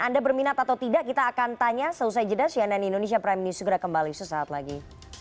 anda berminat atau tidak kita akan tanya selesai jeda cnn indonesia prime news segera kembali sesaat lagi